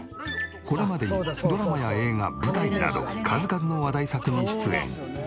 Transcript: これまでにドラマや映画舞台など数々の話題作に出演。